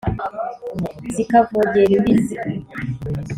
zikavogera imbizi